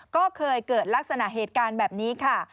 ก็เคยเกิดลักษณะเหตุการณ์แบบนี้ค่ะ